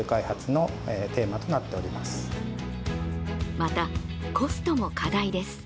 また、コストも課題です。